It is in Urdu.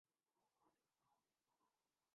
شکل تک نہیں دیکھی تھی